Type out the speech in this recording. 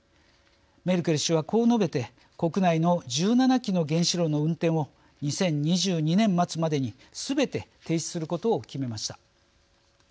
メルケル氏はこう述べて国内の１７基の原子炉の運転を２０２２年末までにすべて停止することを決めました。